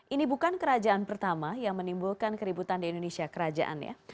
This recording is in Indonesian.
ini bukan kerajaan pertama yang menimbulkan keributan di indonesia kerajaan ya